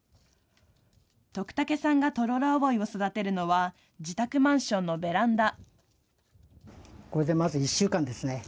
徳竹さんがトロロアオイを育てるのは、自宅マンションのベランダ。